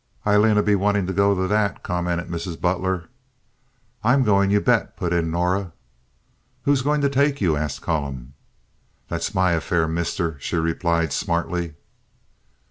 "Aileen'll be wantin' to go to that," commented Mrs. Butler. "I'm going, you bet," put in Norah. "Who's going to take you?" asked Callum. "That's my affair, mister," she replied, smartly.